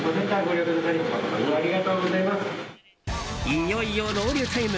いよいよ、ロウリュタイム。